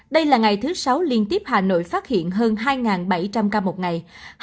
đây là ngày thứ sáu liên tiếp hà nội phát hiện hơn hai bảy trăm linh ca một ngày